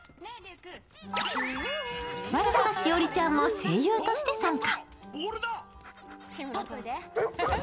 我らが栞里ちゃんも声優として参加。